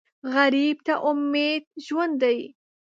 غریب ته امید ژوند دی